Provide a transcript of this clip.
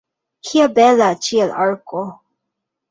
Kia bela ĉielarko!